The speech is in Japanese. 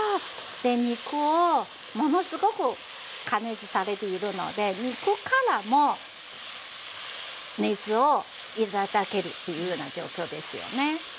で肉をものすごく加熱されているので肉からも熱を頂けるというような状況ですよね。